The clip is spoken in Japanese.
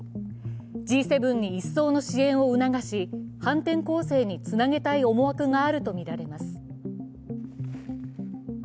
Ｇ７に一層の支援を促し反転攻勢につなげたい思惑があるとみられます。